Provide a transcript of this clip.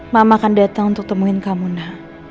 mama akan datang untuk temuin kamu nak